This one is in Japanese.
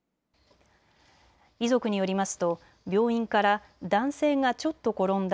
遺族によりますと病院から男性がちょっと転んだ。